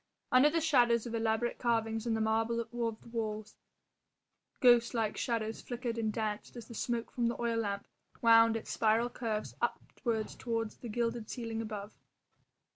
Under the shadows of elaborate carvings in the marble of the walls ghost like shadows flickered and danced as the smoke from the oil lamp wound its spiral curves upwards to the gilded ceiling above.